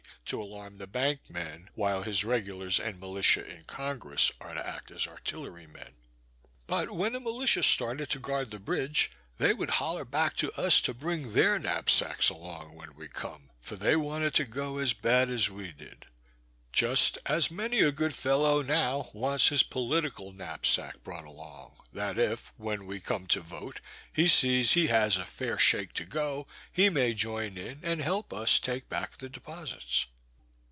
to alarm the bank men, while his regulars and militia in Congress are to act as artillery men. But when the militia started to guard the bridge, they would holler back to us to bring their knapsacks along when we come, for they wanted to go as bad as we did; just as many a good fellow now wants his political knapsack brought along, that if, when we come to vote, he sees he has a fair shake to go, he may join in and help us to take back the deposites.